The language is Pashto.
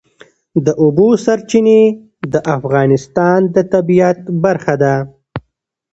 د اوبو سرچینې د افغانستان د طبیعت برخه ده.